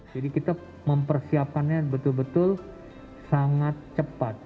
jadi kita mempersiapkannya betul betul sangat cepat